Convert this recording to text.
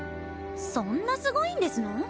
そんなすごいんですの？